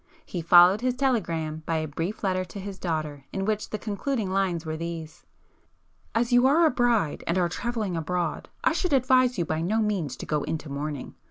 He followed his telegram by a brief letter to his daughter, in which the concluding lines were these—"As you are a bride and are travelling abroad, I should advise you by no means to go into mourning.